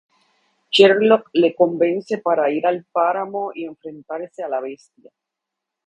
Sherlock le convence para ir al páramo y enfrentarse a la bestia.